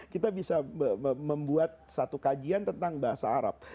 kita bisa membuat satu kajian tentang bahasa arab